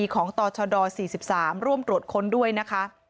ของตชด๔๓ร่วมตรวจค้นด้วยนะคะ